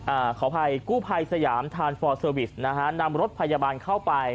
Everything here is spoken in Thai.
อ่าขออภัยกู้ภัยสยามทานฟอร์เซอร์วิสนะฮะนำรถพยาบาลเข้าไป